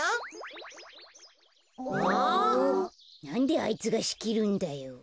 なんであいつがしきるんだよ。